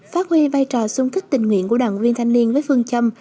phát huy vai trò sung kích tình nguyện của đoàn viên thanh niên với phương châm